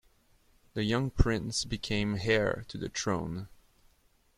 The young prince became heir to the throne.